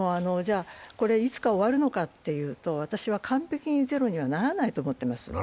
いつか終わるのかというと、完璧にゼロにはならないと思います。